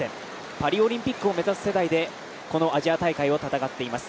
パリオリンピックを目指す世代で、このアジア大会を戦っています。